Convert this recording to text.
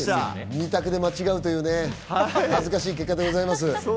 二択で間違うという恥ずかしい結果でございます。